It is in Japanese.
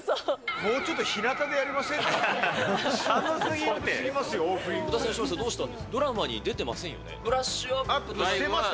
もうちょっとひなたでやりませんか。